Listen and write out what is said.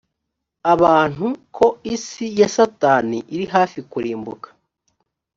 abantu ko isi ya satani iri hafi kurimbuka